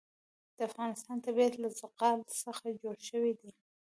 د افغانستان طبیعت له زغال څخه جوړ شوی دی.